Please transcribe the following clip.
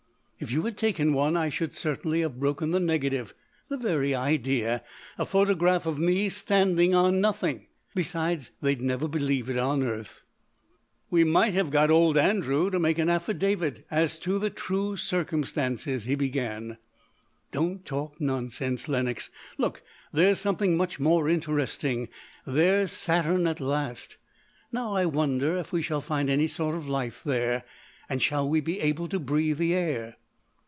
"If you had taken one I should certainly have broken the negative. The very idea a photograph of me standing on nothing! Besides, they'd never believe it on Earth." "We might have got old Andrew to make an affidavit as to the true circumstances," he began. "Don't talk nonsense, Lenox! Look! there's something much more interesting. There's Saturn at last. Now I wonder if we shall find any sort of life there and shall we be able to breathe the air?"